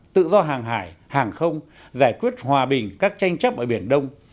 tự do hàng hải hàng không giải quyết hòa bình các tranh chấp ở biển đông